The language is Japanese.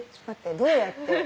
どうやって。